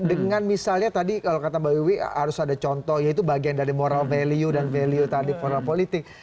dengan misalnya tadi kalau kata mbak wiwi harus ada contoh yaitu bagian dari moral value dan value tadi moral politik